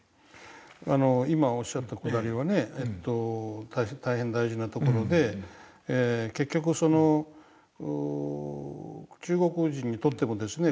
今おっしゃったくだりはね大変大事なところで結局中国人にとってもですね